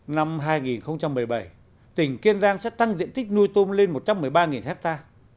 năm hai nghìn một mươi bảy tỉnh kiên giang sẽ tăng diện tích nuôi tôm lên một trăm một mươi ba ha